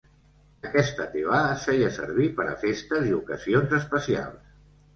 Aquesta tevah es feia servir per a festes i ocasions especials.